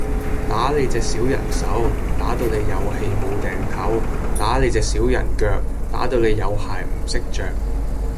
打你隻小人手，打到你有氣無定唞；打你隻小人腳，打到你有鞋唔識着！